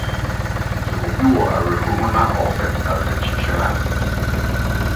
sɛ obi wɔ awerɛhow mu na ɔrepɛ awerɛkyekye a